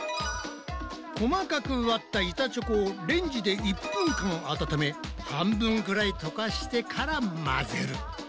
細かく割った板チョコをレンジで１分間温め半分ぐらい溶かしてから混ぜる。